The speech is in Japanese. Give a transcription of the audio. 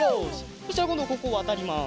そしたらこんどここわたります。